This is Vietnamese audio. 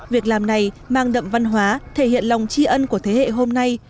việc làm này mang đậm văn hóa thể hiện lòng tri ân của thế hệ hôm nay